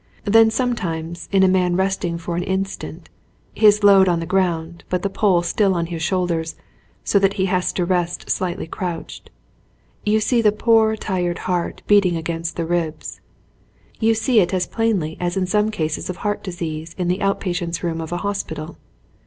Then sometimes in a man resting for an instant, his load on the ground but the pole still on his shoulders so that he has to rest slightly crouched, you see the poor tired heart beating against the ribs: you see it as plainly as in some cases of heart disease in the out patients' room of a hospital.